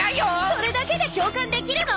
それだけで共感できるの！？